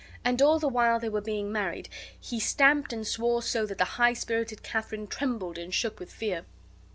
And all the while they were being married he stamped and swore so that the high spirited Katharine trembled and shook with fear.